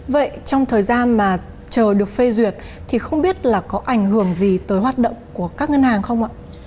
vậy trong thời gian mà chờ được phê duyệt thì không biết là có ảnh hưởng gì tới hoạt động của các ngân hàng không ạ